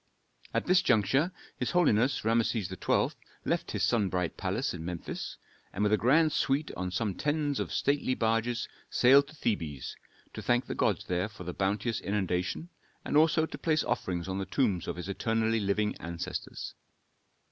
At this juncture his holiness Rameses XII. left his sun bright palace in Memphis, and with a grand suite on some tens of stately barges sailed to Thebes, to thank the gods there for the bounteous inundation, and also to place offerings on the tombs of his eternally living ancestors.